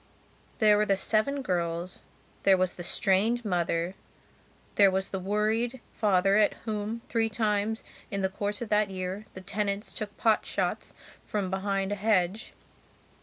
There were the seven girls, there was the strained mother, there was the worried father at whom, three times in the course of that year, the tenants took pot shots from behind a hedge.